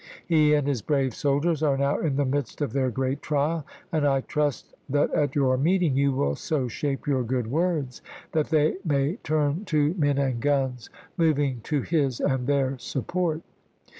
He and his brave soldiers are now in the midst of their great trial, and I trust that at your meeting l"f°a! to you will so shape your good words that they may aSdnothe?s, turn to men and guns, moving to his and their sup unMs. port."